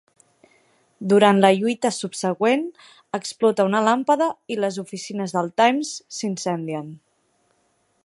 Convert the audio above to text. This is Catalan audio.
Durant la lluita subsegüent explota una làmpada i les oficines del "Times" s'incendien.